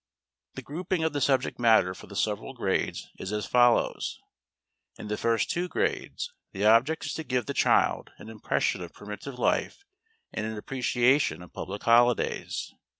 The grouping of the subject matter for the several grades is as follows: In the first two grades, the object is to give the child an impression of primitive life and an appreciation of public holidays.